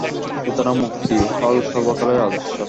সুতরাং মুক্তিই হল সর্বকালের আদর্শ।